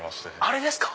あれですか？